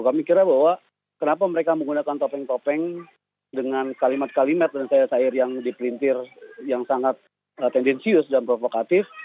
kami kira bahwa kenapa mereka menggunakan topeng topeng dengan kalimat kalimat dan sayur sayur yang dipelintir yang sangat tendensius dan provokatif